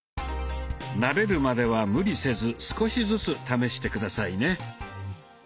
慣れるまでは無理せず少しずつ試して下さいね。